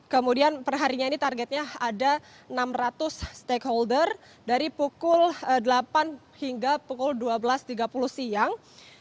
kemudian perharinya ini targetnya ada enam ratus stakeholder dari pukul delapan hingga pukul dua belas tiga puluh siang